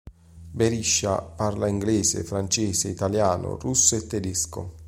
Berisha parla inglese, francese, italiano, russo e tedesco.